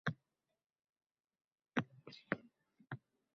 Men stulni hatlab o`tib o`z joyimni egalladim